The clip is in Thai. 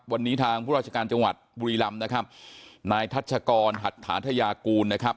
วันนี้ทางผู้ราชการจังหวัดบุรีรำนะครับนายทัชกรหัตถาธยากูลนะครับ